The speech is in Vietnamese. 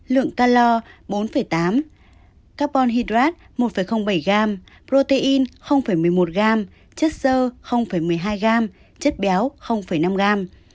lượng calor bốn tám carbon hydrat một bảy gram protein một mươi một gram chất sơ một mươi hai gram chất béo năm gram